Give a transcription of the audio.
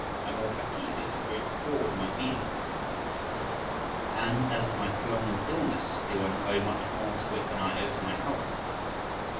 … Amor fati: this is the very core of my being—And as to my prolonged illness, do I not owe much more to it than I owe to my health?